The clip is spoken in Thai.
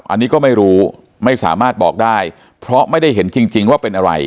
อันนี้ก็ไม่รู้ไม่สามารถบอกได้เพราะไม่ได้เห็นจริงว่าเป็นอะไร